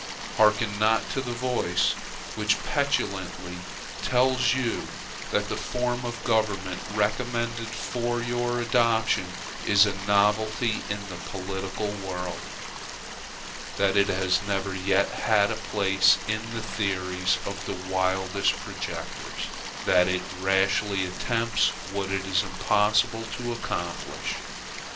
Hearken not to the voice which petulantly tells you that the form of government recommended for your adoption is a novelty in the political world; that it has never yet had a place in the theories of the wildest projectors; that it rashly attempts what it is impossible to accomplish.